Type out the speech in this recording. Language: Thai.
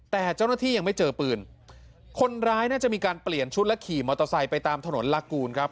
แต่เจ้าหน้าที่ยังไม่เจอปืนคนร้ายน่าจะมีการเปลี่ยนชุดและขี่มอเตอร์ไซค์ไปตามถนนลากูลครับ